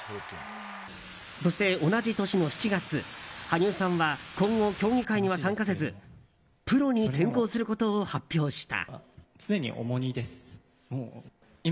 そして、同じ年の７月羽生さんは今後競技会には参加せずプロに転向することを発表した。